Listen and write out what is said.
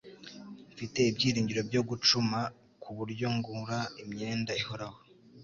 Nfite ibyiringiro byo gucuma kuburyo ngura imyenda ihoraho.